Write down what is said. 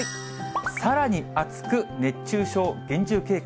さらに暑く、熱中症厳重警戒。